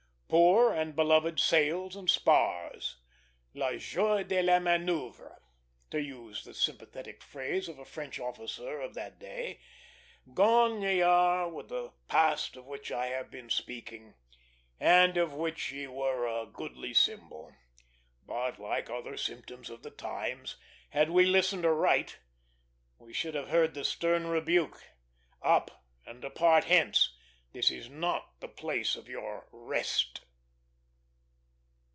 Poor and beloved sails and spars la joie de la manoeuvre, to use the sympathetic phrase of a French officer of that day gone ye are with that past of which I have been speaking, and of which ye were a goodly symbol; but like other symptoms of the times, had we listened aright, we should have heard the stern rebuke: Up and depart hence; this is not the place of your rest.